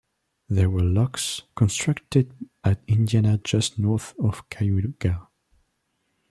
There were locks constructed at Indiana just north of Cayuga.